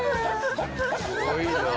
すごいな。